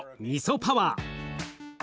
みそパワー！